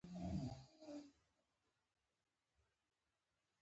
د سلام شبکه دولتي ده؟